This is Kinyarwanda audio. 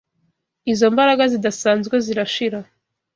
izo mbaraga zidasanzwe zirashira